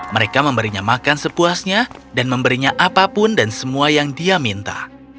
mereka memberinya makan sepuasnya dan memberinya apapun dan semua yang dia minta